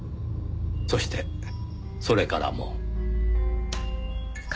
そしてそれからも。